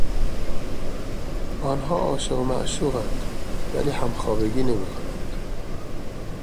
آنها عاشق و معشوقاند ولی همخوابگی نمیکنند.